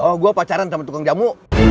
oh gue pacaran sama tukang jamu